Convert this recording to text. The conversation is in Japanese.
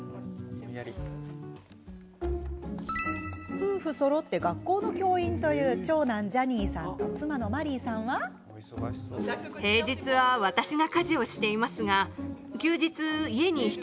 夫婦そろって学校の教員という長男のジャニーさんと妻のマリーさんは。さらに、こんなことも。